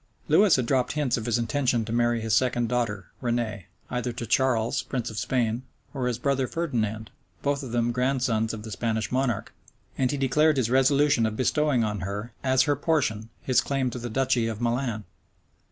Lewis had dropped hints of his intention to marry his second daughter, Renée, either to Charles, prince of Spain, or his brother Ferdinand, both of them grandsons of the Spanish monarch; and he declared his resolution of bestowing on her, as her portion, his claim to the duchy of Milan.